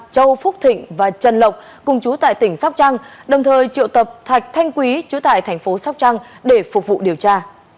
châu phúc thịnh và trần lộc cùng chú tại tỉnh sóc trăng đồng thời triệu tập thạch thanh quý chú tại thành phố sóc trăng để phục vụ điều tra